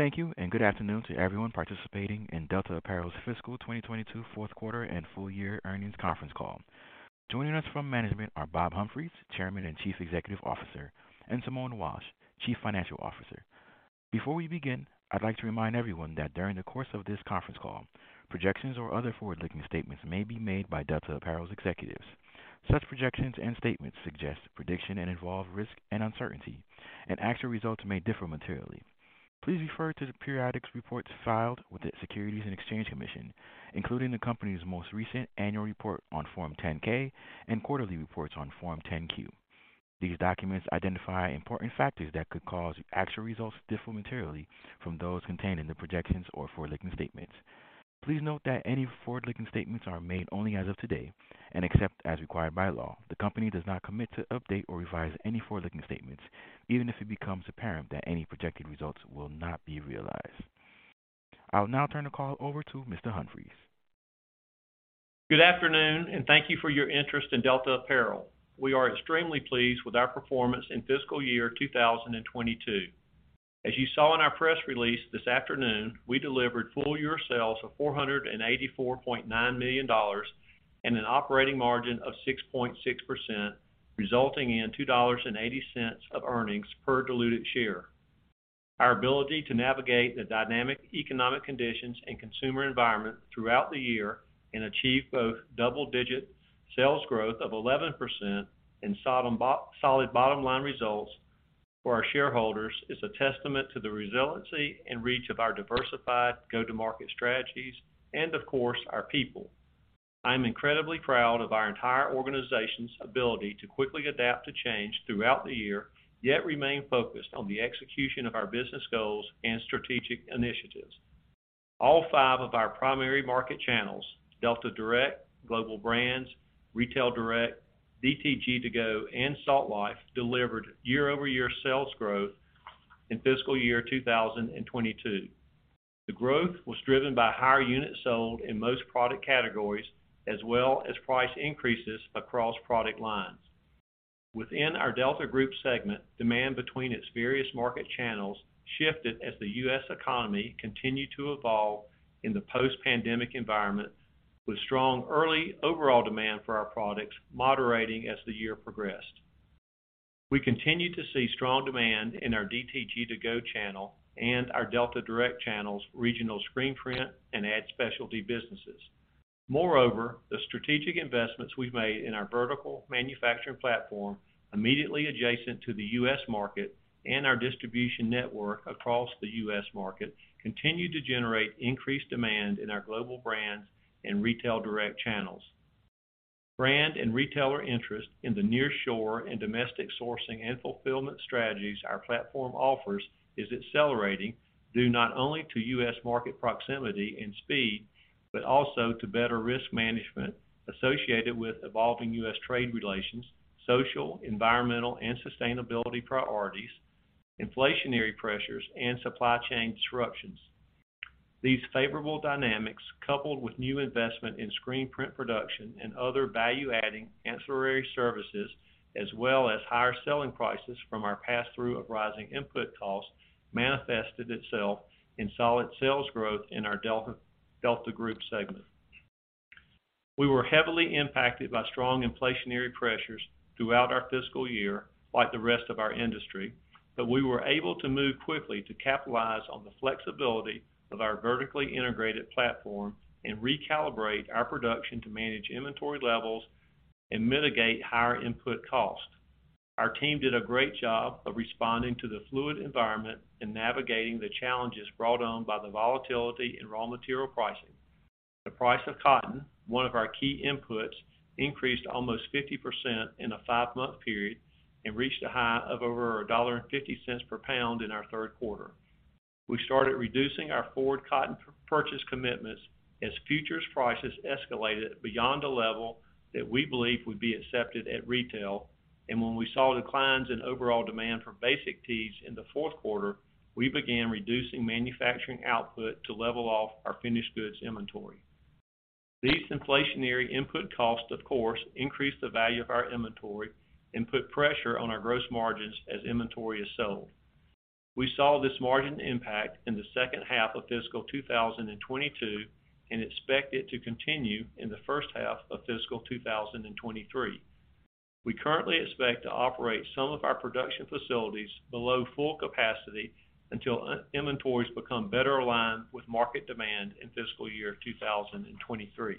Thank you, and good afternoon to everyone participating in Delta Apparel's fiscal 2022 fourth quarter and full year earnings conference call. Joining us from management are Bob Humphreys, Chairman and Chief Executive Officer, and Simone Walsh, Chief Financial Officer. Before we begin, I'd like to remind everyone that during the course of this conference call, projections or other forward-looking statements may be made by Delta Apparel's executives. Such projections and statements suggest prediction and involve risk and uncertainty, and actual results may differ materially. Please refer to the periodic reports filed with the Securities and Exchange Commission, including the company's most recent annual report on Form 10-K and quarterly reports on Form 10-Q. These documents identify important factors that could cause actual results to differ materially from those contained in the projections or forward-looking statements. Please note that any forward-looking statements are made only as of today, and except as required by law, the company does not commit to update or revise any forward-looking statements, even if it becomes apparent that any projected results will not be realized. I'll now turn the call over to Mr. Humphreys. Good afternoon, thank you for your interest in Delta Apparel. We are extremely pleased with our performance in fiscal year 2022. As you saw in our press release this afternoon, we delivered full year sales of $484.9 million and an operating margin of 6.6%, resulting in $2.80 of earnings per diluted share. Our ability to navigate the dynamic economic conditions and consumer environment throughout the year and achieve both double-digit sales growth of 11% and solid bottom line results for our shareholders is a testament to the resiliency and reach of our diversified go-to-market strategies and, of course, our people. I'm incredibly proud of our entire organization's ability to quickly adapt to change throughout the year, yet remain focused on the execution of our business goals and strategic initiatives. All five of our primary market channels, Delta Direct, Global Brands, Retail Direct, DTG2Go, and Salt Life, delivered year-over-year sales growth in fiscal year 2022. The growth was driven by higher units sold in most product categories, as well as price increases across product lines. Within our Delta Group segment, demand between its various market channels shifted as the U.S. economy continued to evolve in the post-pandemic environment, with strong early overall demand for our products moderating as the year progressed. We continue to see strong demand in our DTG2Go channel and our Delta Direct channels, regional screen print and ad specialty businesses. Moreover, the strategic investments we've made in our vertical manufacturing platform immediately adjacent to the U.S. market and our distribution network across the U.S. market continue to generate increased demand in our Global Brands and Retail Direct channels. Brand and retailer interest in the nearshore and domestic sourcing and fulfillment strategies our platform offers is accelerating due not only to U.S. market proximity and speed, but also to better risk management associated with evolving U.S. trade relations, social, environmental, and sustainability priorities, inflationary pressures, and supply chain disruptions. These favorable dynamics, coupled with new investment in screen print production and other value-adding ancillary services, as well as higher selling prices from our passthrough of rising input costs, manifested itself in solid sales growth in our Delta Group segment. We were heavily impacted by strong inflationary pressures throughout our fiscal year, like the rest of our industry, but we were able to move quickly to capitalize on the flexibility of our vertically integrated platform and recalibrate our production to manage inventory levels and mitigate higher input costs. Our team did a great job of responding to the fluid environment and navigating the challenges brought on by the volatility in raw material pricing. The price of cotton, one of our key inputs, increased almost 50% in a five-month period and reached a high of over $1.50 per pound in our third quarter. We started reducing our forward cotton purchase commitments as futures prices escalated beyond a level that we believe would be accepted at retail. When we saw declines in overall demand for basic tees in the fourth quarter, we began reducing manufacturing output to level off our finished goods inventory. These inflationary input costs, of course, increased the value of our inventory and put pressure on our gross margins as inventory is sold. We saw this margin impact in the second half of fiscal 2022 and expect it to continue in the first half of fiscal 2023. We currently expect to operate some of our production facilities below full capacity until inventories become better aligned with market demand in fiscal year 2023.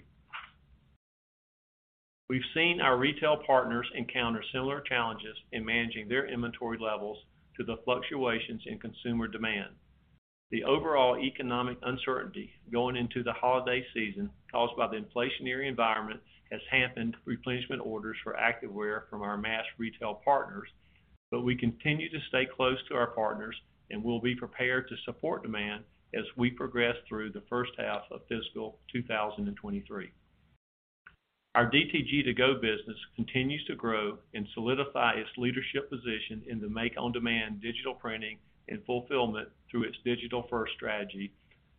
We've seen our retail partners encounter similar challenges in managing their inventory levels to the fluctuations in consumer demand. The overall economic uncertainty going into the holiday season caused by the inflationary environment has hampered replenishment orders for activewear from our mass retail partners. We continue to stay close to our partners, and we'll be prepared to support demand as we progress through the first half of fiscal 2023. Our DTG2Go business continues to grow and solidify its leadership position in the make-on-demand digital printing and fulfillment through its digital-first strategy,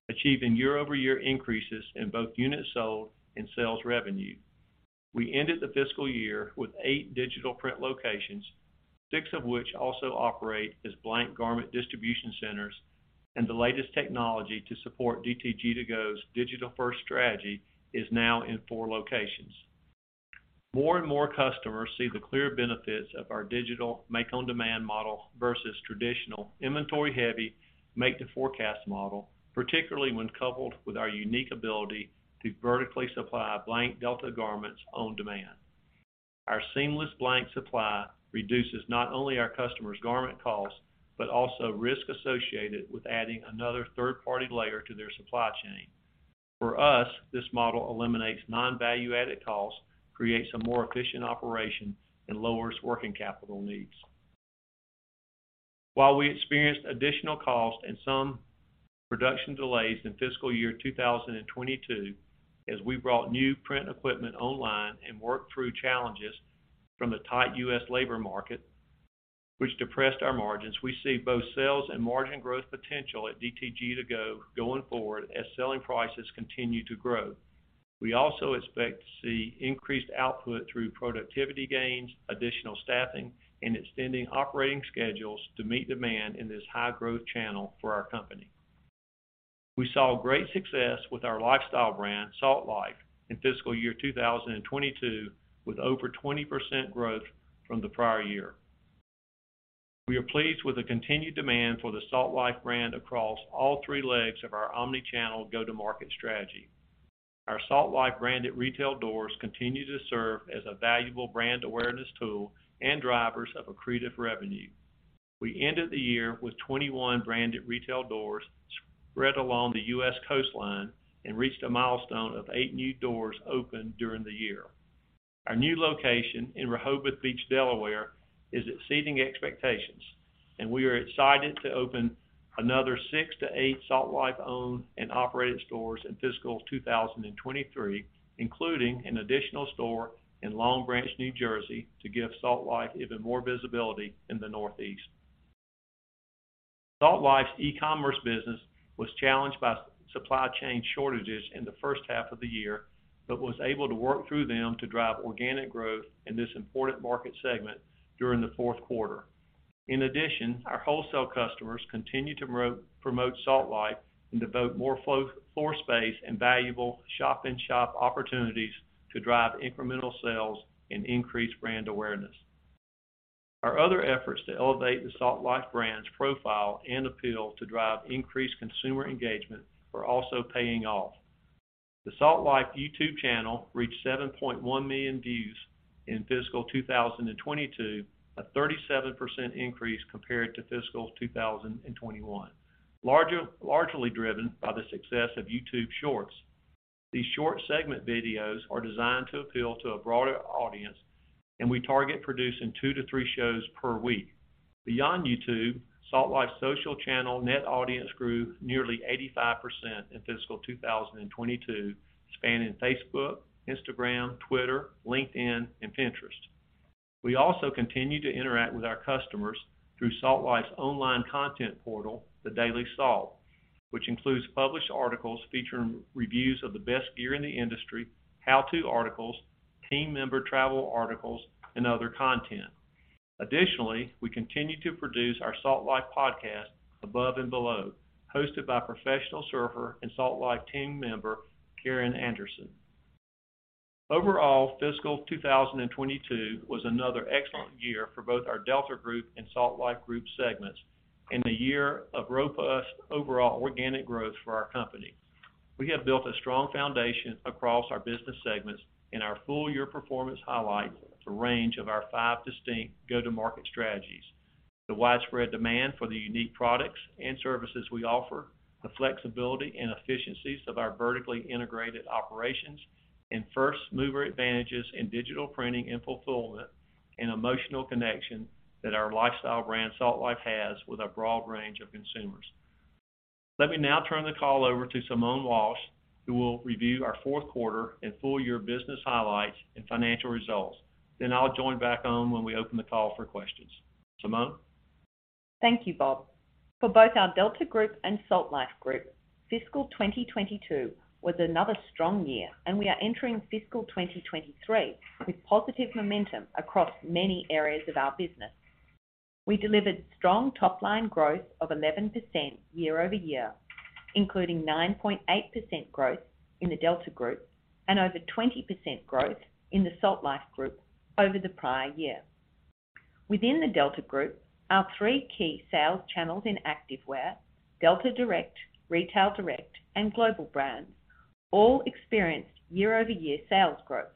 achieving year-over-year increases in both units sold and sales revenue. We ended the fiscal year with eight digital print locations, six of which also operate as blank garment distribution centers, and the latest technology to support DTG2Go's digital first strategy is now in four locations. More and more customers see the clear benefits of our digital make-on-demand model versus traditional inventory-heavy make-to-forecast model, particularly when coupled with our unique ability to vertically supply blank Delta garments on demand. Our seamless blank supply reduces not only our customers' garment costs, but also risk associated with adding another third-party layer to their supply chain. For us, this model eliminates non-value-added costs, creates a more efficient operation, and lowers working capital needs. While we experienced additional costs and some production delays in fiscal year 2022 as we brought new print equipment online and worked through challenges from the tight U.S. labor market, which depressed our margins, we see both sales and margin growth potential at DTG2Go going forward as selling prices continue to grow. We also expect to see increased output through productivity gains, additional staffing, and extending operating schedules to meet demand in this high-growth channel for our company. We saw great success with our lifestyle brand, Salt Life, in fiscal year 2022 with over 20% growth from the prior year. We are pleased with the continued demand for the Salt Life brand across all three legs of our omni-channel go-to-market strategy. Our Salt Life branded retail doors continue to serve as a valuable brand awareness tool and drivers of accretive revenue. We ended the year with 21 branded retail doors spread along the U.S. coastline and reached a milestone of eight new doors opened during the year. Our new location in Rehoboth Beach, Delaware, is exceeding expectations, and we are excited to open another six to eight Salt Life owned and operated stores in fiscal 2023, including an additional store in Long Branch, New Jersey, to give Salt Life even more visibility in the Northeast. Salt Life's e-commerce business was challenged by supply chain shortages in the first half of the year, but was able to work through them to drive organic growth in this important market segment during the fourth quarter. In addition, our wholesale customers continue to promote Salt Life and devote more floor space and valuable shop-in-shop opportunities to drive incremental sales and increase brand awareness. Our other efforts to elevate the Salt Life brand's profile and appeal to drive increased consumer engagement are also paying off. The Salt Life YouTube channel reached 7.1 million views in fiscal 2022, a 37% increase compared to fiscal 2021, largely driven by the success of YouTube Shorts. These short segment videos are designed to appeal to a broader audience, and we target producing two to three shows per week. Beyond YouTube, Salt Life's social channel net audience grew nearly 85% in fiscal 2022, spanning Facebook, Instagram, Twitter, LinkedIn, and Pinterest. We also continue to interact with our customers through Salt Life's online content portal, The Daily Salt, which includes published articles featuring reviews of the best gear in the industry, how-to articles, team member travel articles, and other content. Additionally, we continue to produce our Salt Life podcast, Above and Below, hosted by professional surfer and Salt Life Team Member, Kieran Anderson. Overall, fiscal 2022 was another excellent year for both our Delta Group and Salt Life Group segments and a year of robust overall organic growth for our company. We have built a strong foundation across our business segments. Our full-year performance highlights the range of our five distinct go-to-market strategies, the widespread demand for the unique products and services we offer, the flexibility and efficiencies of our vertically integrated operations, and first-mover advantages in digital printing and fulfillment, and emotional connection that our lifestyle brand, Salt Life, has with a broad range of consumers. Let me now turn the call over to Simone Walsh, who will review our fourth-quarter and full-year business highlights and financial results. I'll join back on when we open the call for questions. Simone? Thank you, Bob. For both our Delta Group and Salt Life Group, fiscal 2022 was another strong year, and we are entering fiscal 2023 with positive momentum across many areas of our business. We delivered strong top-line growth of 11% year-over-year, including 9.8% growth in the Delta Group and over 20% growth in the Salt Life Group over the prior year. Within the Delta Group, our three key sales channels in Activewear - Delta Direct, Retail Direct, and Global Brands, all experienced year-over-year sales growth.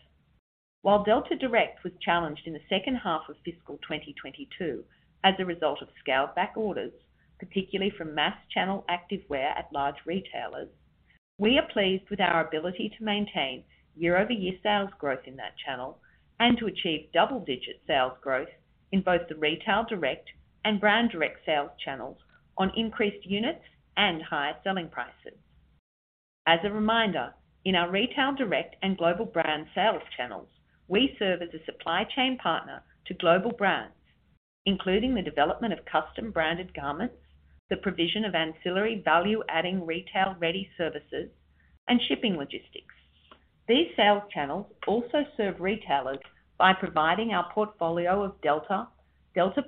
While Delta Direct was challenged in the second half of fiscal 2022 as a result of scaled-back orders, particularly from mass channel activewear at large retailers, we are pleased with our ability to maintain year-over-year sales growth in that channel and to achieve double-digit sales growth in both the Retail Direct and Global Brands sales channels on increased units and higher selling prices. As a reminder, in our Retail Direct and Global Brands sales channels, we serve as a supply chain partner to global brands, including the development of custom branded garments, the provision of ancillary value-adding retail-ready services and shipping logistics. These sales channels also serve retailers by providing our portfolio of Delta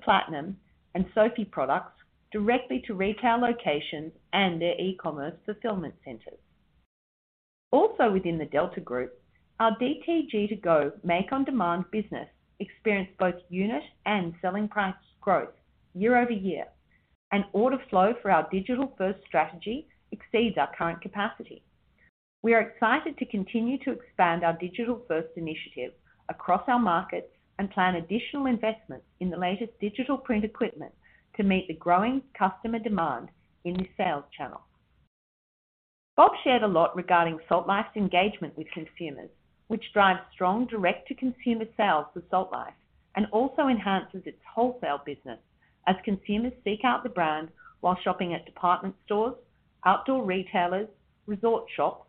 Platinum and Soffe products directly to retail locations and their e-commerce fulfillment centers. Also within the Delta Group, our DTG2Go make-on-demand business experienced both unit and selling price growth year-over-year. Order flow for our digital first strategy exceeds our current capacity. We are excited to continue to expand our digital first initiative across our markets and plan additional investments in the latest digital print equipment to meet the growing customer demand in the sales channel. Bob shared a lot regarding Salt Life's engagement with consumers, which drives strong direct-to-consumer sales for Salt Life and also enhances its wholesale business as consumers seek out the brand while shopping at department stores, outdoor retailers, resort shops,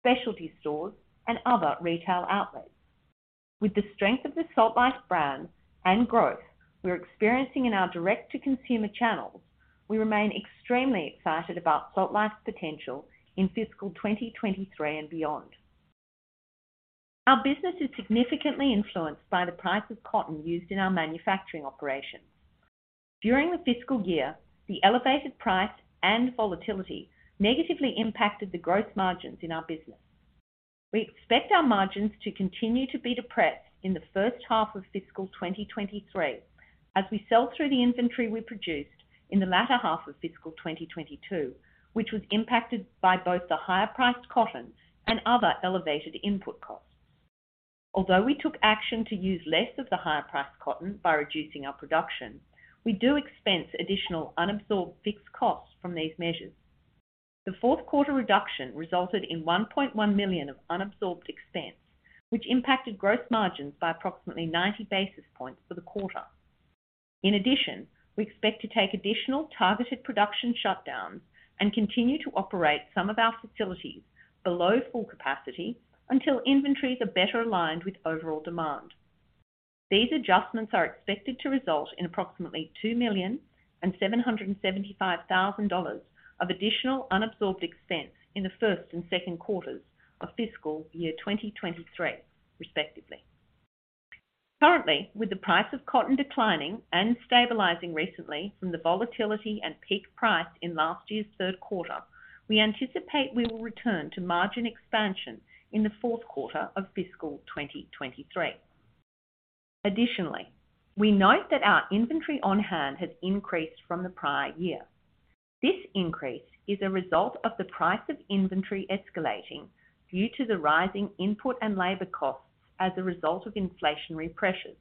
specialty stores and other retail outlets. With the strength of the Salt Life brand and growth we're experiencing in our direct-to-consumer channels, we remain extremely excited about Salt Life's potential in fiscal 2023 and beyond. Our business is significantly influenced by the price of cotton used in our manufacturing operations. During the fiscal year, the elevated price and volatility negatively impacted the gross margins in our business. We expect our margins to continue to be depressed in the first half of fiscal 2023 as we sell through the inventory we produced in the latter half of fiscal 2022, which was impacted by both the higher priced cotton and other elevated input costs. Although we took action to use less of the higher priced cotton by reducing our production, we do expense additional unabsorbed fixed costs from these measures. The fourth quarter reduction resulted in $1.1 million of unabsorbed expense, which impacted gross margins by approximately 90 basis points for the quarter. In addition, we expect to take additional targeted production shutdowns and continue to operate some of our facilities below full capacity until inventories are better aligned with overall demand. These adjustments are expected to result in approximately $2,775,000 of additional unabsorbed expense in the first and second quarters of fiscal year 2023 respectively. Currently, with the price of cotton declining and stabilizing recently from the volatility and peak price in last year's third quarter, we anticipate we will return to margin expansion in the fourth quarter of fiscal 2023. Additionally, we note that our inventory on hand has increased from the prior year. This increase is a result of the price of inventory escalating due to the rising input and labor costs as a result of inflationary pressures,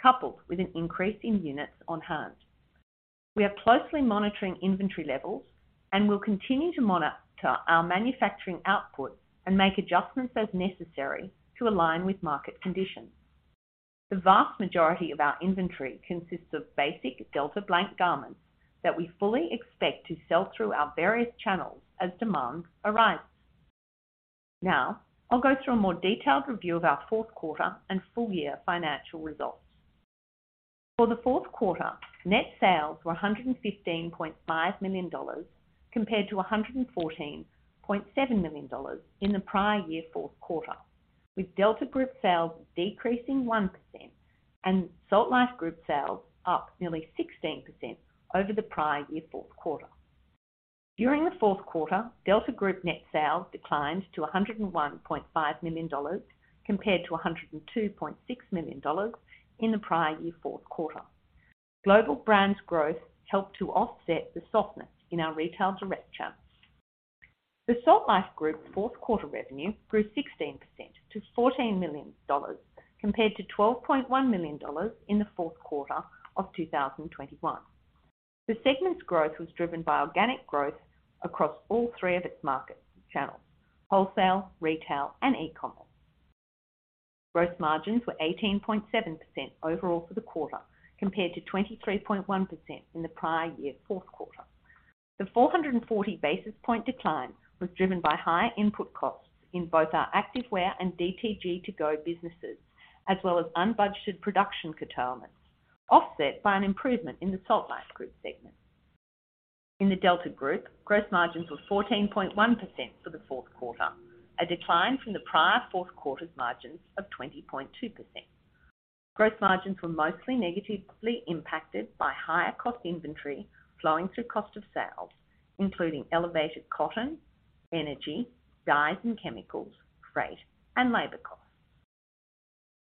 coupled with an increase in units on hand. We are closely monitoring inventory levels and will continue to monitor our manufacturing output and make adjustments as necessary to align with market conditions. The vast majority of our inventory consists of basic Delta blank garments that we fully expect to sell through our various channels as demand arises. Now, I'll go through a more detailed review of our fourth quarter and full year financial results. For the fourth quarter, net sales were $115.5 million compared to $114.7 million in the prior year fourth quarter, with Delta Group sales decreasing 1% and Salt Life Group sales up nearly 16% over the prior year fourth quarter. During the fourth quarter, Delta Group net sales declined to $101.5 million compared to $102.6 million in the prior year fourth quarter. Global Brands growth helped to offset the softness in our Retail Direct channels. The Salt Life Group fourth quarter revenue grew 16% to $14 million, compared to $12.1 million in the fourth quarter of 2021. The segment's growth was driven by organic growth across all three of its market channels, wholesale, retail and e-commerce. Gross margins were 18.7% overall for the quarter, compared to 23.1% in the prior year fourth quarter. The 440 basis point decline was driven by higher input costs in both our Activewear and DTG2Go businesses, as well as unbudgeted production curtailments, offset by an improvement in the Salt Life Group segment. In the Delta Group, gross margins were 14.1% for the fourth quarter, a decline from the prior fourth quarter's margins of 20.2%. Gross margins were mostly negatively impacted by higher cost inventory flowing through cost of sales, including elevated cotton, energy, dyes and chemicals, freight and labor costs.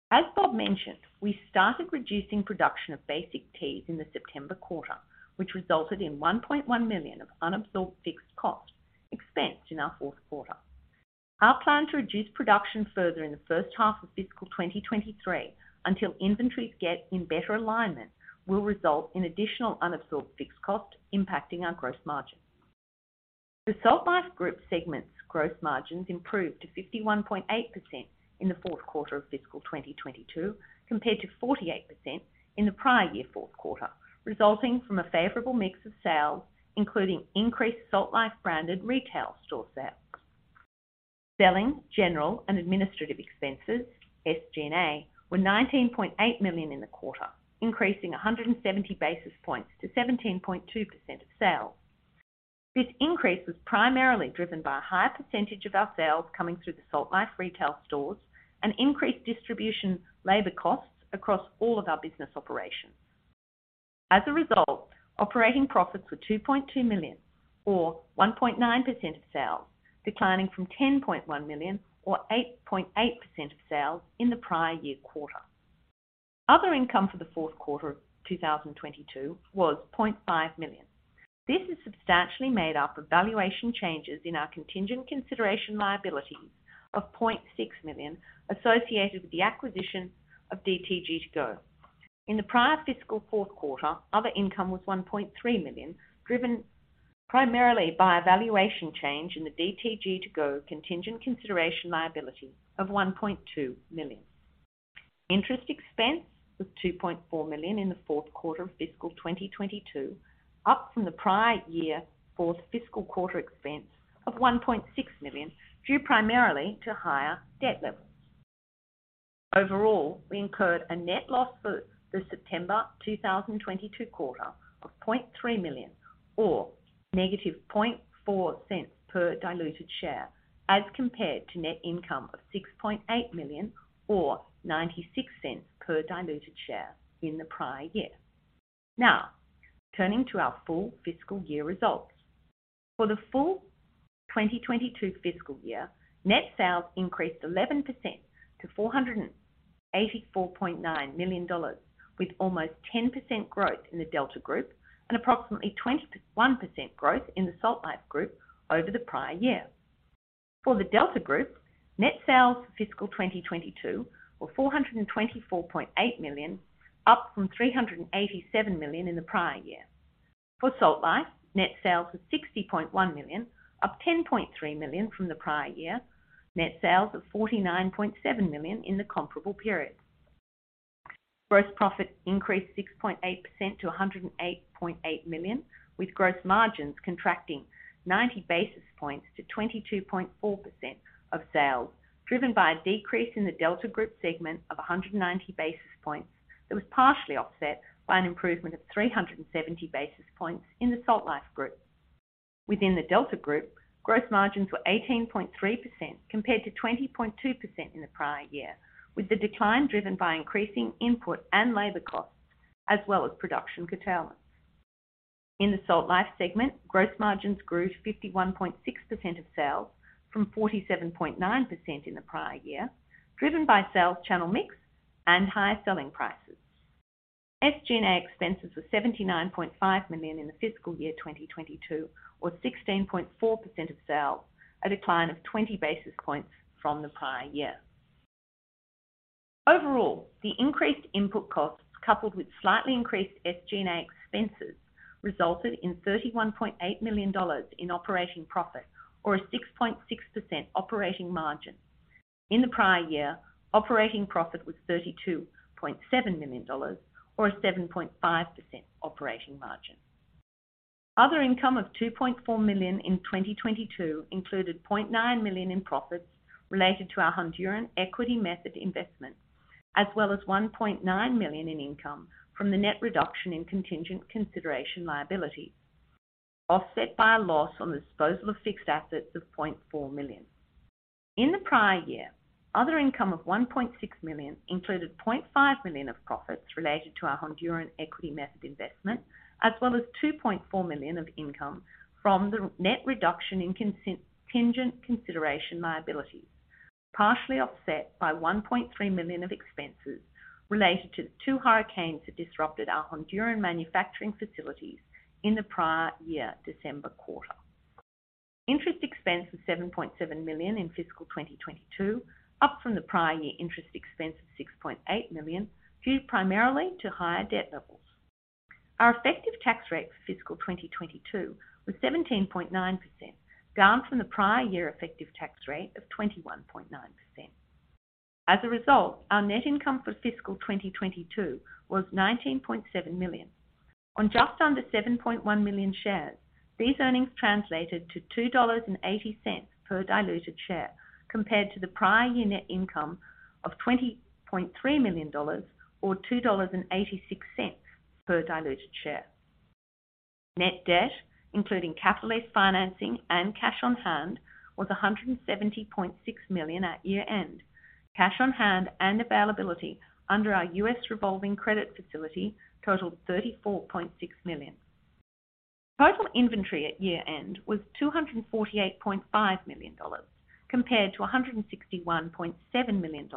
As Bob mentioned, we started reducing production of basic tees in the September quarter, which resulted in $1.1 million of unabsorbed fixed costs expensed in our fourth quarter. Our plan to reduce production further in the first half of fiscal 2023 until inventories get in better alignment, will result in additional unabsorbed fixed costs impacting our gross margins. The Salt Life Group segment's gross margins improved to 51.8% in the fourth quarter of fiscal 2022, compared to 48% in the prior year fourth quarter, resulting from a favorable mix of sales, including increased Salt Life branded retail store sales. Selling, general, and administrative expenses, SG&A, were $19.8 million in the quarter, increasing 170 basis points to 17.2% of sales. This increase was primarily driven by a higher percentage of our sales coming through the Salt Life retail stores and increased distribution labor costs across all of our business operations. As a result, operating profits were $2.2 million, or 1.9% of sales, declining from $10.1 million or 8.8% of sales in the prior year quarter. Other income for the fourth quarter of 2022 was $0.5 million. This is substantially made up of valuation changes in our contingent consideration liabilities of $0.6 million associated with the acquisition of DTG2Go. In the prior fiscal fourth quarter, other income was $1.3 million, driven primarily by a valuation change in the DTG2Go contingent consideration liability of $1.2 million. Interest expense was $2.4 million in the fourth quarter of fiscal 2022, up from the prior year fourth fiscal quarter expense of $1.6 million, due primarily to higher debt levels. Overall, we incurred a net loss for the September 2022 quarter of $0.3 million or -$0.04 per diluted share, as compared to net income of $6.8 million or $0.96 per diluted share in the prior year. Now, turning to our full fiscal year results. For the full 2022 fiscal year, net sales increased 11% to $484.9 million, with almost 10% growth in the Delta Group and approximately 21% growth in the Salt Life Group over the prior year. For the Delta Group, net sales for fiscal 2022 were $424.8 million, up from $387 million in the prior year. For Salt Life, net sales were $60.1 million, up $10.3 million from the prior year, net sales of $49.7 million in the comparable period. Gross profit increased 6.8% to $108.8 million, with gross margins contracting 90 basis points to 22.4% of sales, driven by a decrease in the Delta Group segment of 190 basis points that was partially offset by an improvement of 370 basis points in the Salt Life Group. Within the Delta Group, gross margins were 18.3% compared to 20.2% in the prior year, with the decline driven by increasing input and labor costs as well as production curtailment. In the Salt Life segment, gross margins grew 51.6% of sales from 47.9% in the prior year, driven by sales channel mix and higher selling prices. SG&A expenses were $79.5 million in the fiscal year 2022, or 16.4% of sales, a decline of 20 basis points from the prior year. Overall, the increased input costs, coupled with slightly increased SG&A expenses, resulted in $31.8 million in operating profit or a 6.6% operating margin. In the prior year, operating profit was $32.7 million or a 7.5% operating margin. Other income of $2.4 million in 2022 included $0.9 million in profits related to our Honduran equity method investment, as well as $1.9 million in income from the net reduction in contingent consideration liabilities, offset by a loss on the disposal of fixed assets of $0.4 million. In the prior year, other income of $1.6 million included $0.5 million of profits related to our Honduran equity method investment, as well as $2.4 million of income from the net reduction in contingent consideration liabilities, partially offset by $1.3 million of expenses related to the two hurricanes that disrupted our Honduran manufacturing facilities in the prior year December quarter. Interest expense was $7.7 million in fiscal 2022, up from the prior year interest expense of $6.8 million, due primarily to higher debt levels. Our effective tax rate for fiscal 2022 was 17.9%, down from the prior year effective tax rate of 21.9%. As a result, our net income for fiscal 2022 was $19.7 million. On just under 7.1 million shares, these earnings translated to $2.80 per diluted share, compared to the prior year net income of $20.3 million or $2.86 per diluted share. Net debt, including capital lease financing and cash on hand, was $170.6 million at year-end. Cash on hand and availability under our U.S. revolving credit facility totaled $34.6 million. Total inventory at year-end was $248.5 million, compared to $161.7 million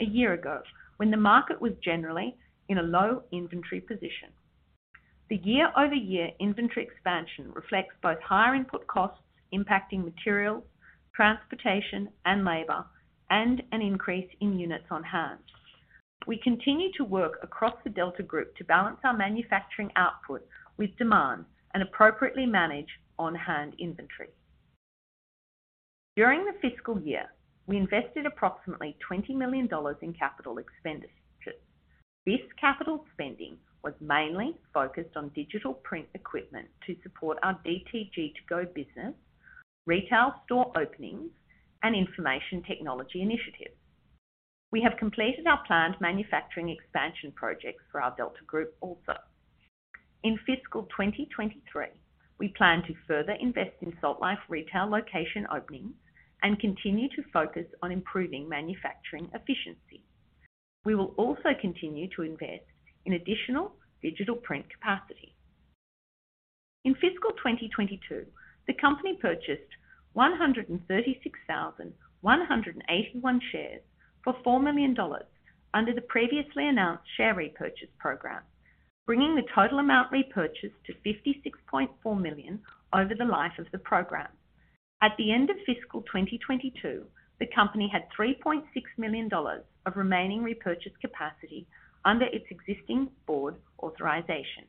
a year ago, when the market was generally in a low inventory position. The year-over-year inventory expansion reflects both higher input costs impacting materials, transportation, and labor, and an increase in units on hand. We continue to work across the Delta Group to balance our manufacturing output with demand and appropriately manage on-hand inventory. During the fiscal year, we invested approximately $20 million in capital expenditures. This capital spending was mainly focused on digital print equipment to support our DTG2Go business, retail store openings, and information technology initiatives. We have completed our planned manufacturing expansion projects for our Delta Group also. In fiscal 2023, we plan to further invest in Salt Life retail location opening and continue to focus on improving manufacturing efficiency. We will also continue to invest in additional digital print capacity. In fiscal 2022, the company purchased 136,181 shares for $4 million under the previously announced share repurchase program, bringing the total amount repurchased to $56.4 million over the life of the program. At the end of fiscal 2022, the company had $3.6 million of remaining repurchase capacity under its existing board authorization.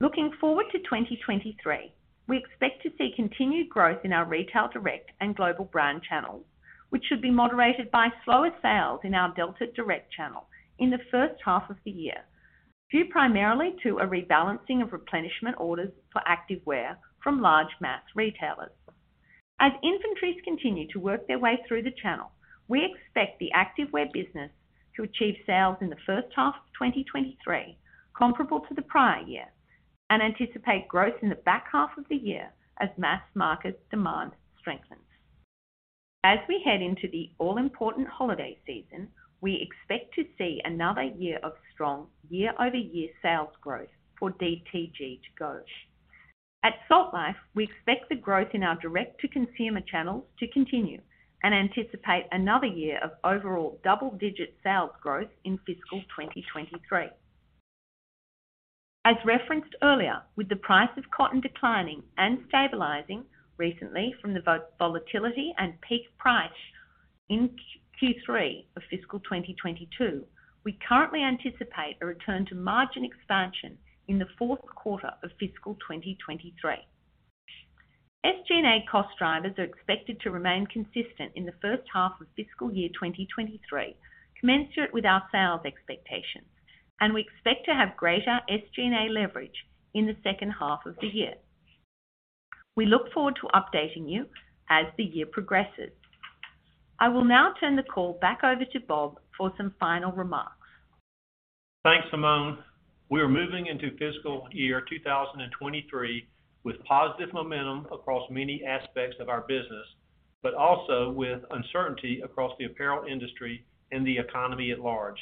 Looking forward to 2023, we expect to see continued growth in our Retail Direct and Global Brands channels, which should be moderated by slower sales in our Delta Direct channel in the first half of the year, due primarily to a rebalancing of replenishment orders for activewear from large mass retailers. As inventories continue to work their way through the channel, we expect the activewear business to achieve sales in the first half of 2023 comparable to the prior year and anticipate growth in the back half of the year as mass market demand strengthens. As we head into the all-important holiday season, we expect to see another year of strong year-over-year sales growth for DTG2Go. At Salt Life, we expect the growth in our direct-to-consumer channels to continue and anticipate another year of overall double-digit sales growth in fiscal 2023. As referenced earlier, with the price of cotton declining and stabilizing recently from the volatility and peak price in Q3 of fiscal 2022, we currently anticipate a return to margin expansion in the fourth quarter of fiscal 2023. SG&A cost drivers are expected to remain consistent in the first half of fiscal year 2023, commensurate with our sales expectations, and we expect to have greater SG&A leverage in the second half of the year. We look forward to updating you as the year progresses. I will now turn the call back over to Bob for some final remarks. Thanks, Simone. We are moving into fiscal year 2023 with positive momentum across many aspects of our business, but also with uncertainty across the apparel industry and the economy at large.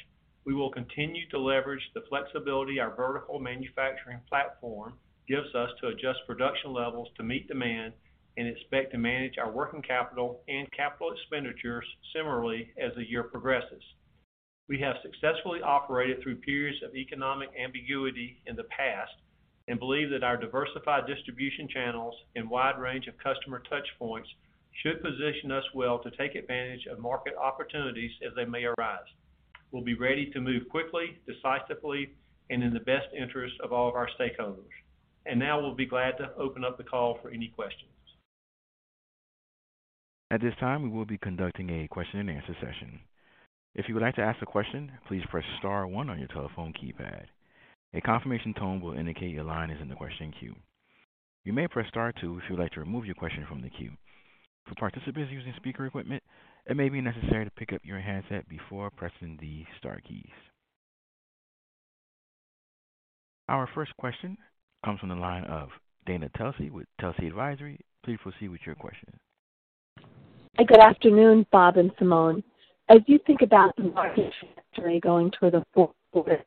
We will continue to leverage the flexibility our vertical manufacturing platform gives us to adjust production levels to meet demand and expect to manage our working capital and capital expenditures similarly as the year progresses. We have successfully operated through periods of economic ambiguity in the past and believe that our diversified distribution channels and wide range of customer touch points should position us well to take advantage of market opportunities as they may arise. We'll be ready to move quickly, decisively, and in the best interest of all of our stakeholders. Now we'll be glad to open up the call for any questions. At this time, we will be conducting a question-and-answer session. If you would like to ask a question, please press star one on your telephone keypad. A confirmation tone will indicate your line is in the question queue. You may press star two if you would like to remove your question from the queue. For participants using speaker equipment, it may be necessary to pick up your handset before pressing the star keys. Our first question comes from the line of Dana Telsey with Telsey Advisory. Please proceed with your question. Good afternoon, Bob and Simone. As you think about the margin trajectory going toward the fourth quarter,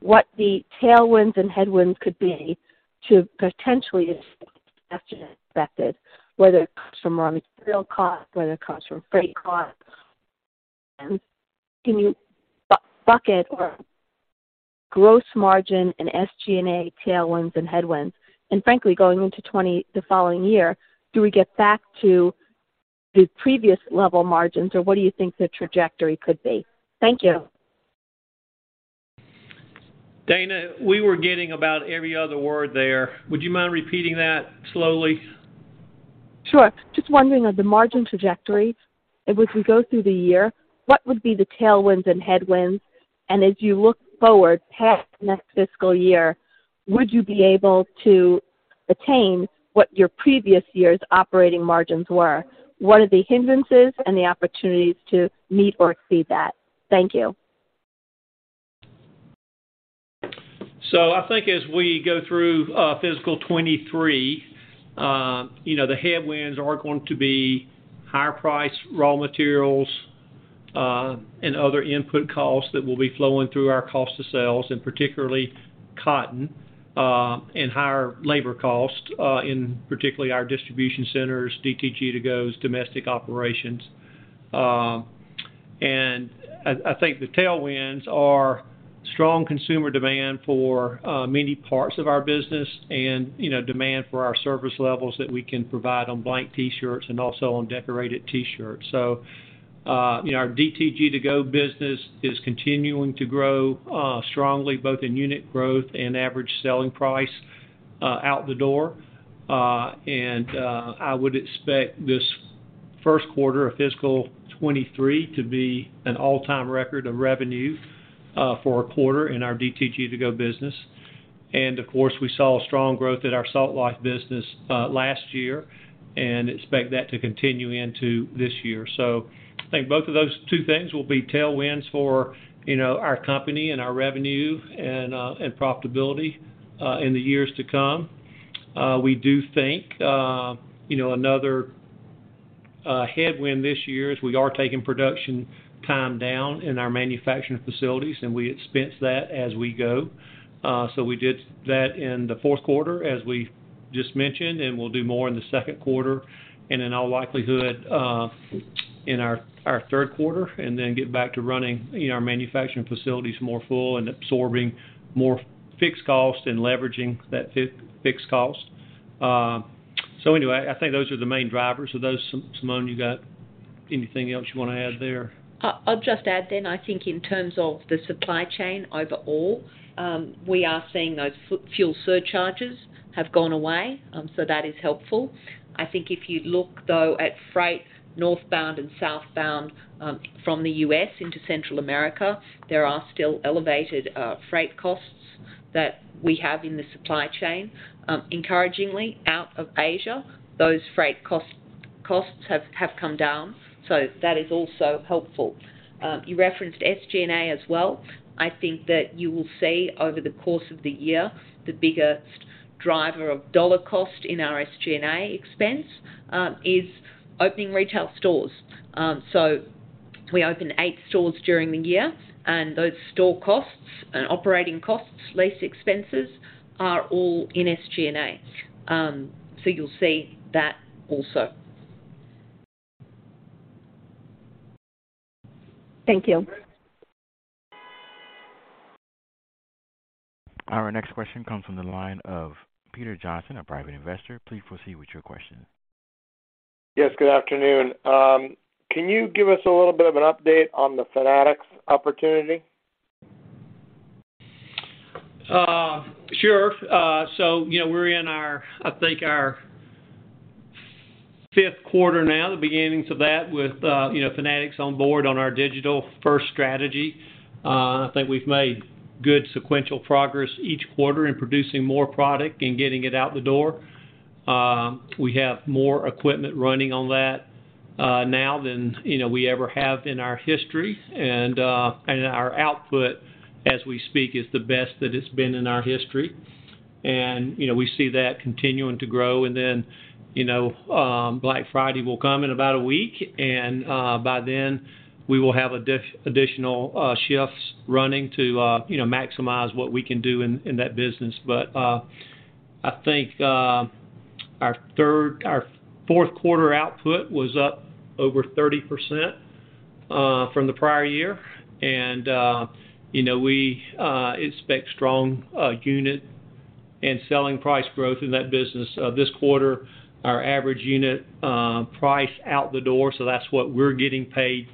what the tailwinds and headwinds could be potentially expected, whether it comes from raw material costs, whether it comes from freight costs, can you bucket our gross margin and SG&A tailwinds and headwinds? Frankly, going into 2023, the following year, do we get back to the previous level margins, or what do you think the trajectory could be? Thank you. Dana, we were getting about every other word there. Would you mind repeating that slowly? Sure. Just wondering on the margin trajectory, as we go through the year, what would be the tailwinds and headwinds? As you look forward past next fiscal year, would you be able to attain what your previous year's operating margins were? What are the hindrances and the opportunities to meet or exceed that? Thank you. I think as we go through fiscal 2023, you know, the headwinds are going to be higher-priced raw materials and other input costs that will be flowing through our cost of sales, and particularly cotton, and higher labor costs, particularly our distribution centers, DTG2Go's domestic operations. I think the tailwinds are strong consumer demand for many parts of our business and, you know, demand for our service levels that we can provide on blank T-shirts and also on decorated T-shirts. You know, our DTG2Go business is continuing to grow strongly both in unit growth and average selling price out the door. I would expect this first quarter of fiscal 2023 to be an all-time record of revenue for a quarter in our DTG2Go business. Of course, we saw a strong growth at our Salt Life business last year and expect that to continue into this year. I think both of those two things will be tailwinds for, you know, our company and our revenue and profitability in the years to come. We do think, you know, another headwind this year is we are taking production time down in our manufacturing facilities, and we expense that as we go. We did that in the fourth quarter as we just mentioned, and we'll do more in the second quarter and in all likelihood in our third quarter and then get back to running, you know, our manufacturing facilities more full and absorbing more fixed cost and leveraging that fixed cost. Anyway, I think those are the main drivers. Simone, you got anything else you wanna add there? I'll just add then. I think in terms of the supply chain overall, we are seeing those fuel surcharges have gone away, so that is helpful. I think if you look though at freight northbound and southbound from the U.S. into Central America, there are still elevated freight costs that we have in the supply chain. Encouragingly, out of Asia, those freight costs have come down, so that is also helpful. You referenced SG&A as well. I think that you will see over the course of the year, the biggest driver of dollar cost in our SG&A expense is opening retail stores. We opened eight stores during the year, and those store costs and operating costs, lease expenses, are all in SG&A. You'll see that also. Thank you. Our next question comes from the line of Peter Johnson, a Private Investor. Please proceed with your question. Yes, good afternoon. Can you give us a little bit of an update on the Fanatics opportunity? Sure. You know, we're in our, I think, our fifth quarter now, the beginnings of that with, you know, Fanatics on board on our digital first strategy. I think we've made good sequential progress each quarter in producing more product and getting it out the door. We have more equipment running on that now than, you know, we ever have in our history. Our output as we speak is the best that it's been in our history. You know, we see that continuing to grow. You know, Black Friday will come in about a week, and by then, we will have additional shifts running to, you know, maximize what we can do in that business. I think our fourth quarter output was up over 30% from the prior year. You know, we expect strong unit and selling price growth in that business. This quarter, our average unit price out the door, so that's what we're getting paid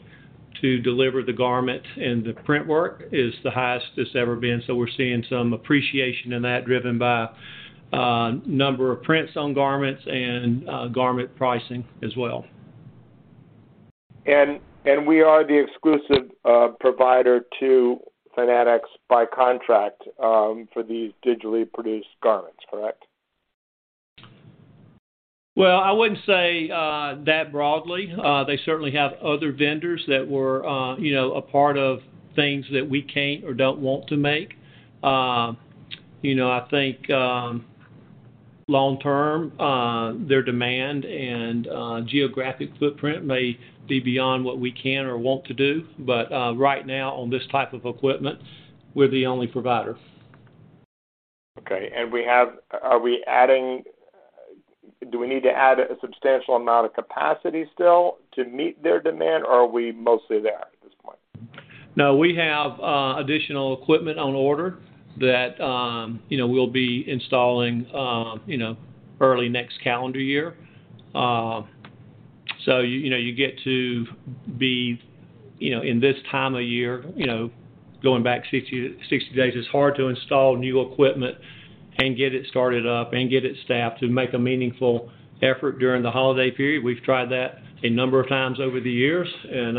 to deliver the garment and the print work, is the highest it's ever been. We're seeing some appreciation in that, driven by number of prints on garments and garment pricing as well. We are the exclusive provider to Fanatics by contract for these digitally produced garments, correct? Well, I wouldn't say that broadly. They certainly have other vendors that were, you know, a part of things that we can't or don't want to make. You know, I think long term, their demand and geographic footprint may be beyond what we can or want to do. Right now, on this type of equipment, we're the only provider. Okay. Do we need to add a substantial amount of capacity still to meet their demand, or are we mostly there at this point? No, we have additional equipment on order that, you know, we'll be installing, you know, early next calendar year. You know, you get to be, you know, in this time of year, you know, going back 60 days, it's hard to install new equipment and get it started up and get it staffed to make a meaningful effort during the holiday period. We've tried that a number of times over the years and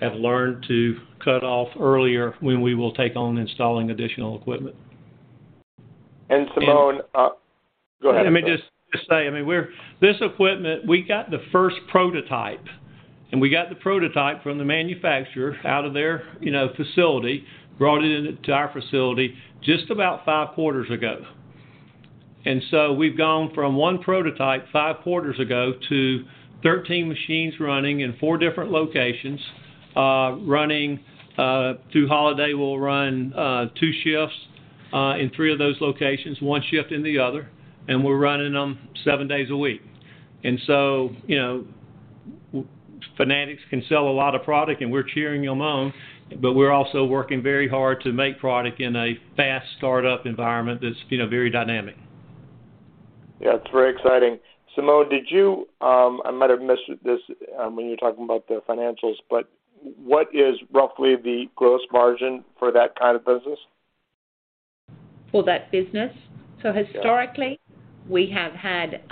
have learned to cut off earlier when we will take on installing additional equipment. Simone, go ahead. Let me just say, I mean, this equipment, we got the first prototype, and we got the prototype from the manufacturer out of their, you know, facility, brought it into our facility just about five quarters ago. We've gone from one prototype five quarters ago to 13 machines running in four different locations, running through holiday. We'll run two shifts in three of those locations, one shift in the other, and we're running them seven days a week. You know, Fanatics can sell a lot of product, and we're cheering them on, but we're also working very hard to make product in a fast startup environment that's, you know, very dynamic. Yeah, it's very exciting. Simone, I might have missed this when you were talking about the financials, but what is roughly the gross margin for that kind of business? For that business? Yeah. Historically, we have had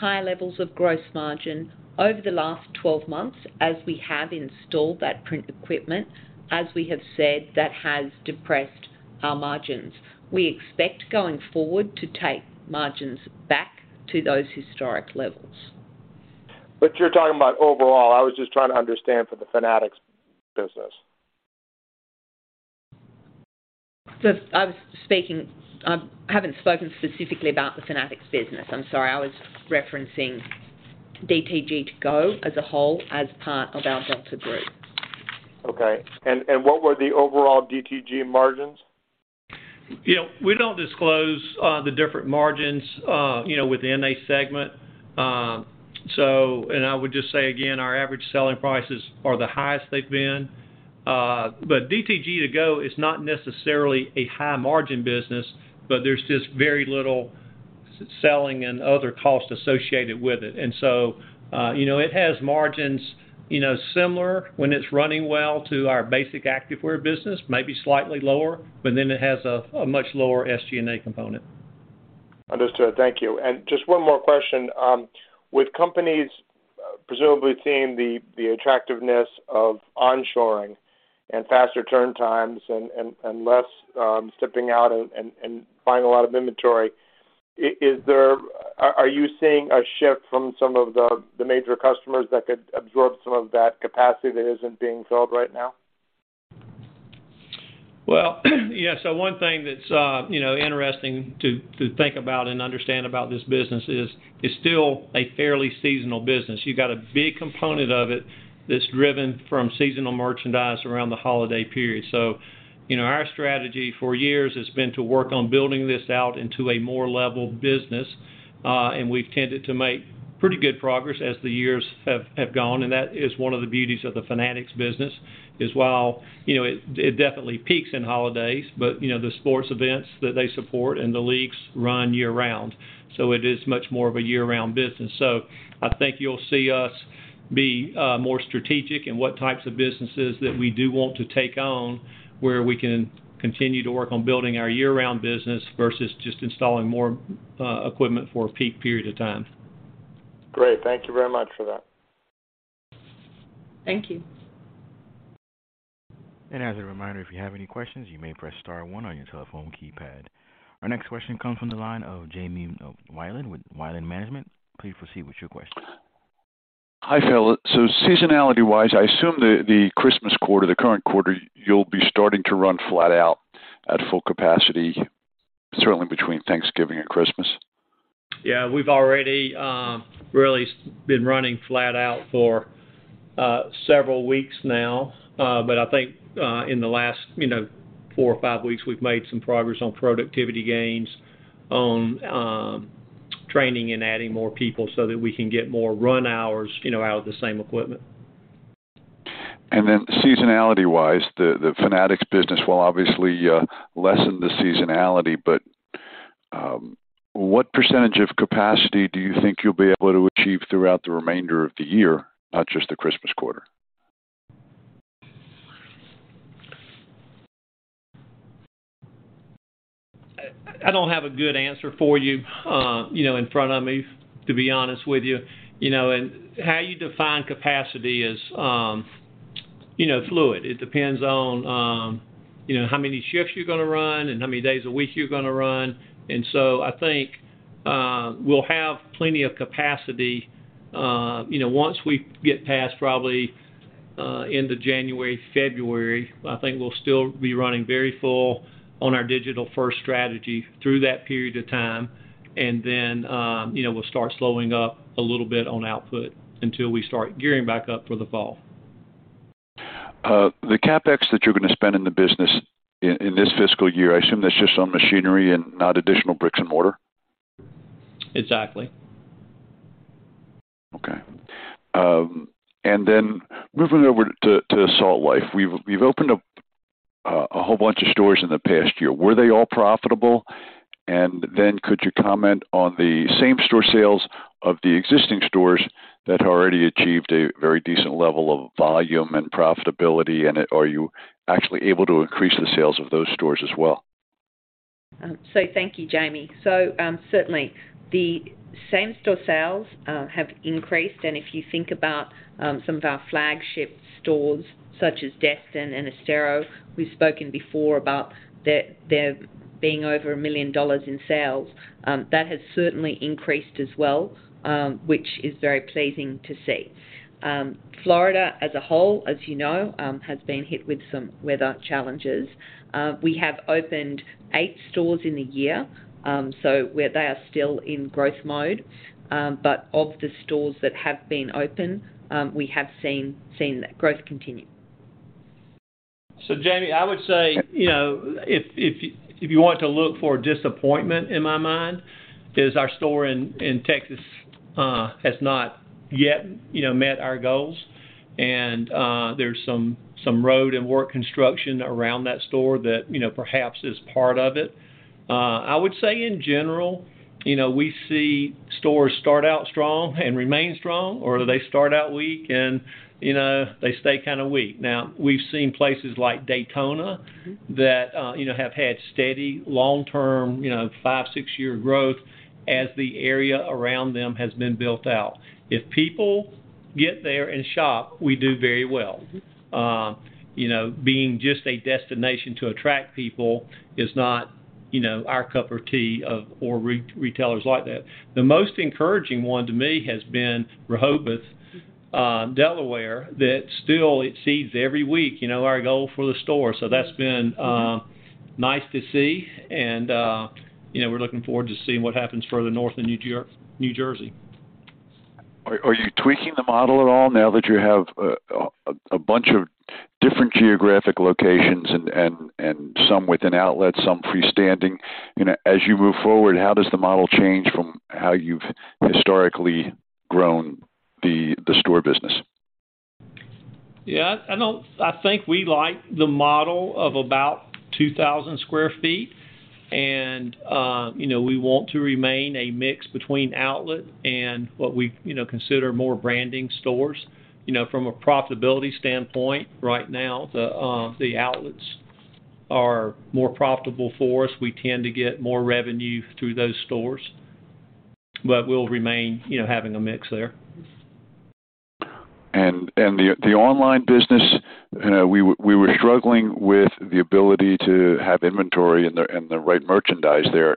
high levels of gross margin. Over the last 12 months, as we have installed that print equipment, as we have said, that has depressed our margins. We expect going forward to take margins back to those historic levels. You're talking about overall. I was just trying to understand for the Fanatics business. I haven't spoken specifically about the Fanatics business. I'm sorry. I was referencing DTG2Go as a whole as part of our Delta Group. Okay. What were the overall DTG margins? You know, we don't disclose the different margins, you know, within a segment. I would just say again, our average selling prices are the highest they've been. DTG2Go is not necessarily a high margin business, but there's just very little selling and other costs associated with it. You know, it has margins, you know, similar when it's running well to our basic activewear business, maybe slightly lower, but then it has a much lower SG&A component. Understood. Thank you. Just one more question. With companies presumably seeing the attractiveness of onshoring and faster turn times and less stepping out and buying a lot of inventory, are you seeing a shift from some of the major customers that could absorb some of that capacity that isn't being filled right now? Well, yeah. One thing that's, you know, interesting to think about and understand about this business is it's still a fairly seasonal business. You got a big component of it that's driven from seasonal merchandise around the holiday period. You know, our strategy for years has been to work on building this out into a more leveled business, and we've tended to make pretty good progress as the years have gone, and that is one of the beauties of the Fanatics business is while, you know, it definitely peaks in holidays, but, you know, the sports events that they support and the leagues run year-round. It is much more of a year-round business. I think you'll see us be more strategic in what types of businesses that we do want to take on, where we can continue to work on building our year-round business versus just installing more equipment for a peak period of time. Great. Thank you very much for that. Thank you. As a reminder, if you have any questions, you may press star one on your telephone keypad. Our next question comes from the line of Jamie Wilen with Wilen Management. Please proceed with your question. Hi, fellas. Seasonality-wise, I assume the Christmas quarter, the current quarter, you'll be starting to run flat out at full capacity, certainly between Thanksgiving and Christmas. Yeah. We've already really been running flat out for several weeks now. I think in the last, you know, four or five weeks, we've made some progress on productivity gains, on training and adding more people so that we can get more run hours, you know, out of the same equipment. Seasonality-wise, the Fanatics business will obviously lessen the seasonality, but what percentage of capacity do you think you'll be able to achieve throughout the remainder of the year, not just the Christmas quarter? I don't have a good answer for you know, in front of me, to be honest with you. You know, how you define capacity is, you know, fluid. It depends on, you know, how many shifts you're gonna run and how many days a week you're gonna run. I think we'll have plenty of capacity, you know, once we get past probably end of January, February. I think we'll still be running very full on our digital first strategy through that period of time. You know, we'll start slowing up a little bit on output until we start gearing back up for the fall. The CapEx that you're gonna spend in the business in this fiscal year, I assume that's just on machinery and not additional bricks and mortar? Exactly. Okay. Moving over to Salt Life. We've opened up a whole bunch of stores in the past year. Were they all profitable? Could you comment on the same-store sales of the existing stores that already achieved a very decent level of volume and profitability? Are you actually able to increase the sales of those stores as well? Thank you, Jamie. Certainly. The same-store sales have increased. If you think about some of our flagship stores, such as Destin and Estero, we've spoken before about them being over $1 million in sales. That has certainly increased as well, which is very pleasing to see. Florida as a whole, as you know, has been hit with some weather challenges. We have opened eight stores in the year where they are still in growth mode. Of the stores that have been open, we have seen that growth continue. Jamie, I would say, you know, if you want to look for a disappointment in my mind is our store in Texas has not yet, you know, met our goals. There's some road and work construction around that store that, you know, perhaps is part of it. I would say, in general, you know, we see stores start out strong and remain strong, or they start out weak and, you know, they stay kinda weak. Now we've seen places like Daytona that, you know, have had steady long-term, you know, five, six-year growth as the area around them has been built out. If people get there and shop, we do very well. Mm-hmm. You know, being just a destination to attract people is not, you know, our cup of tea or retailers like that. The most encouraging one to me has been Rehoboth, Delaware, that still it sees every week, you know, our goal for the store. That's been nice to see, and you know, we're looking forward to seeing what happens further north in New Jersey. Are you tweaking the model at all now that you have a bunch of different geographic locations and some with an outlet, some freestanding? You know, as you move forward, how does the model change from how you've historically grown the store business? Yeah. I think we like the model of about 2,000 sq ft. You know, we want to remain a mix between outlet and what we, you know, consider more branding stores. You know, from a profitability standpoint, right now, the outlets are more profitable for us. We tend to get more revenue through those stores, but we'll remain, you know, having a mix there. The online business, you know, we were struggling with the ability to have inventory and the right merchandise there.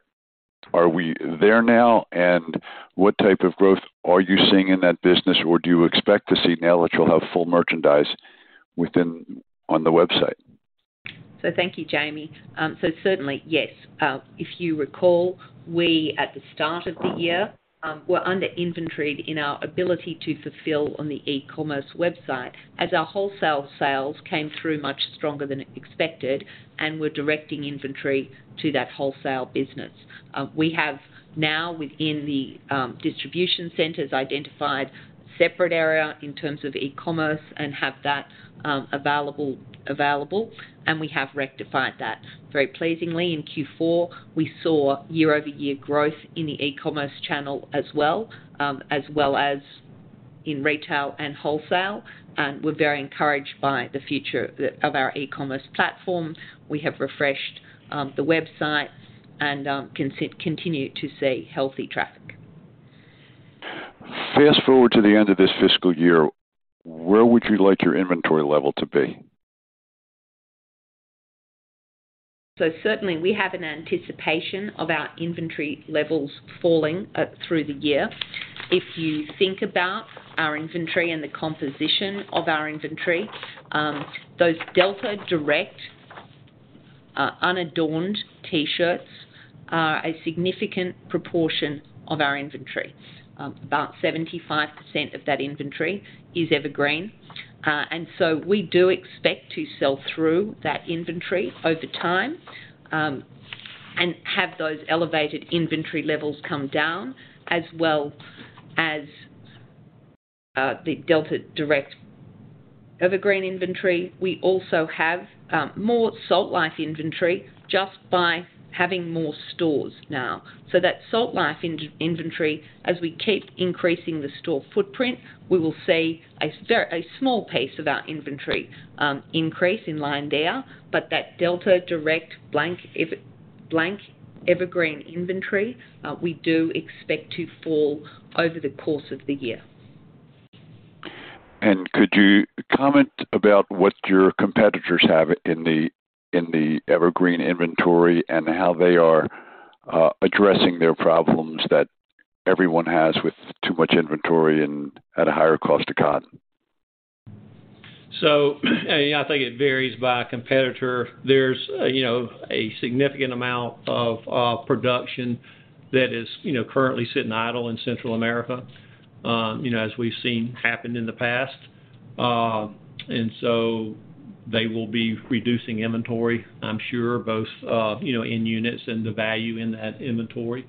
Are we there now? What type of growth are you seeing in that business, or do you expect to see now that you'll have full merchandise on the website? Thank you, Jamie. Certainly, yes. If you recall, we, at the start of the year, were under-inventoried in our ability to fulfill on the e-commerce website as our wholesale sales came through much stronger than expected and were directing inventory to that wholesale business. We have now within the distribution centers identified separate area in terms of e-commerce and have that available, and we have rectified that. Very pleasingly, in Q4, we saw year-over-year growth in the e-commerce channel as well, as well as in retail and wholesale. We're very encouraged by the future of our e-commerce platform. We have refreshed the website and continue to see healthy traffic. Fast-forward to the end of this fiscal year, where would you like your inventory level to be? Certainly, we have an anticipation of our inventory levels falling through the year. If you think about our inventory and the composition of our inventory, those Delta Direct unadorned T-shirts are a significant proportion of our inventory. About 75% of that inventory is evergreen. We do expect to sell through that inventory over time and have those elevated inventory levels come down as well as the Delta Direct evergreen inventory. We also have more Salt Life inventory just by having more stores now. That Salt Life inventory, as we keep increasing the store footprint, we will see a small piece of our inventory increase in line there. That Delta Direct blank evergreen inventory, we do expect to fall over the course of the year. Could you comment about what your competitors have in the evergreen inventory and how they are addressing their problems that everyone has with too much inventory and at a higher cost of cotton? I think it varies by competitor. There's, you know, a significant amount of production that is, you know, currently sitting idle in Central America, you know, as we've seen happen in the past. They will be reducing inventory, I'm sure, both, you know, in units and the value in that inventory.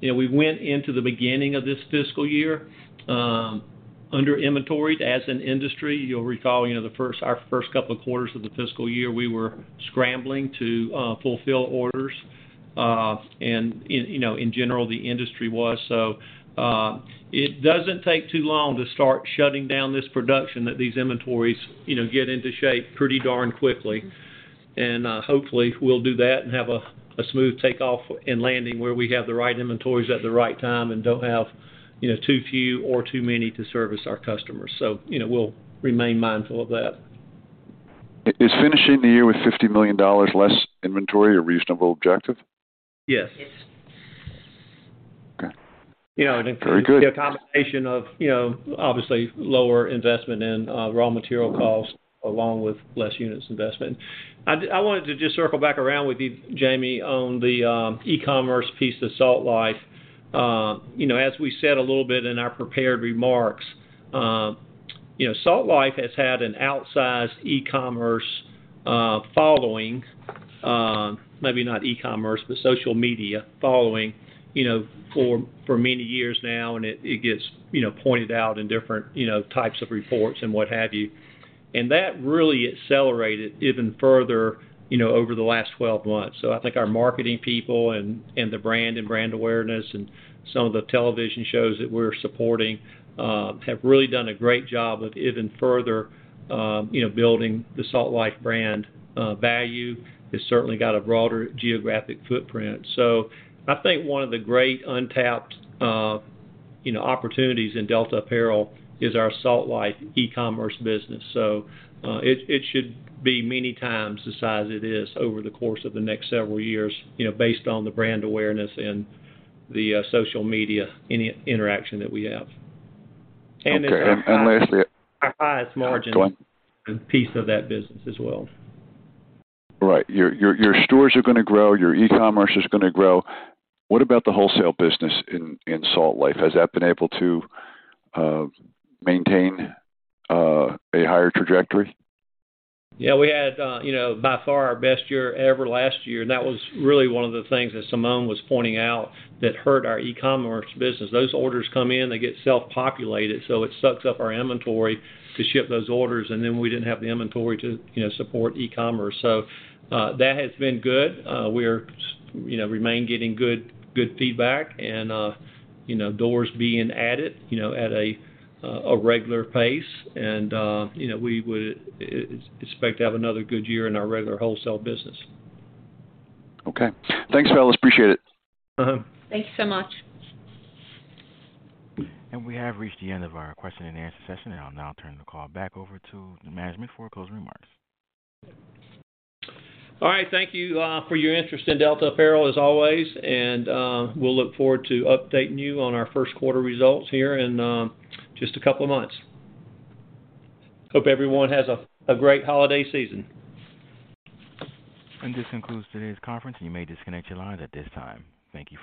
You know, we went into the beginning of this fiscal year under-inventoried as an industry. You'll recall, you know, our first couple of quarters of the fiscal year, we were scrambling to fulfill orders. You know, in general, the industry was. It doesn't take too long to start shutting down this production that these inventories, you know, get into shape pretty darn quickly. Hopefully, we'll do that and have a smooth takeoff and landing where we have the right inventories at the right time and don't have, you know, too few or too many to service our customers. You know, we'll remain mindful of that. Is finishing the year with $50 million less inventory a reasonable objective? Yes. Yes. Okay. Very good. You know, I think the combination of, you know, obviously lower investment in raw material costs along with less units investment. I wanted to just circle back around with you, Jamie, on the e-commerce piece of Salt Life. You know, as we said a little bit in our prepared remarks, Salt Life has had an outsized e-commerce following, maybe not e-commerce, but social media following, you know, for many years now, and it gets, you know, pointed out in different, you know, types of reports and what have you. That really accelerated even further, you know, over the last 12 months. I think our marketing people and the brand and brand awareness and some of the television shows that we're supporting have really done a great job of even further, you know, building the Salt Life brand value. It's certainly got a broader geographic footprint. I think one of the great untapped, you know, opportunities in Delta Apparel is our Salt Life e-commerce business. It should be many times the size it is over the course of the next several years, you know, based on the brand awareness and the social media interaction that we have. Okay. Lastly. Our highest margin. Go on. Piece of that business as well. Right. Your stores are gonna grow, your e-commerce is gonna grow. What about the wholesale business in Salt Life? Has that been able to maintain a higher trajectory? Yeah, we had, you know, by far our best year ever last year, and that was really one of the things that Simone was pointing out that hurt our e-commerce business. Those orders come in, they get self-populated, so it sucks up our inventory to ship those orders, and then we didn't have the inventory to, you know, support e-commerce. That has been good. We, you know, remain getting good feedback and, you know, doors being added, you know, at a regular pace and, you know, we would expect to have another good year in our regular wholesale business. Okay. Thanks, fellas. Appreciate it. Uh-huh. Thanks so much. We have reached the end of our question-and-answer session. I'll now turn the call back over to the management for closing remarks. All right. Thank you for your interest in Delta Apparel as always. We'll look forward to updating you on our first quarter results here in just a couple of months. Hope everyone has a great holiday season. This concludes today's conference, and you may disconnect your lines at this time. Thank you for your participation.